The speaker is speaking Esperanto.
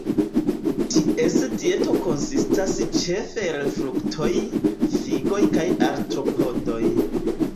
Ties dieto konsistas ĉefe el fruktoj, figoj kaj artropodoj.